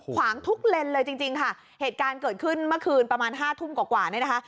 ขวางทุกเลนเลยจริงจริงค่ะเหตุการณ์เกิดขึ้นเมื่อคืนประมาณห้าทุ่มกว่ากว่าเนี่ยนะคะ